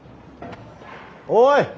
おい。